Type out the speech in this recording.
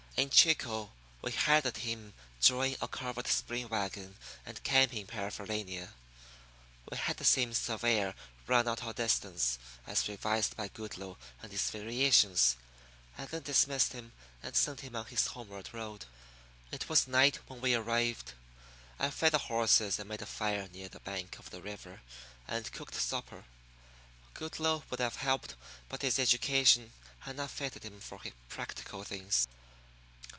In Chico we hired a team drawing a covered spring wagon and camping paraphernalia. We had the same surveyor run out our distance, as revised by Goodloe and his variations, and then dismissed him and sent him on his homeward road. It was night when we arrived. I fed the horses and made a fire near the bank of the river and cooked supper. Goodloe would have helped, but his education had not fitted him for practical things.